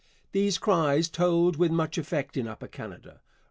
These cries told with much effect in Upper Canada.